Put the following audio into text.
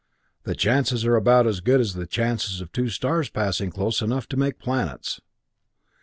The chances are about as good as the chances of two stars passing close enough to make planets.